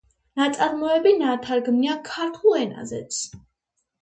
ნაწარმოები ნათარგმნია ქართულ ენაზეც.